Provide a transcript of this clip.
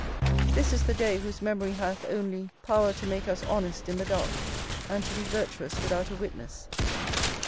This is the day whose memory hath, only, power to make us honest in the dark, and to be virtuous without a witness.